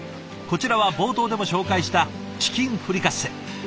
こちらは冒頭でも紹介したチキンフリカッセ。